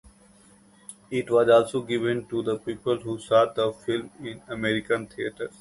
It was also given to the people who saw the film in American theaters.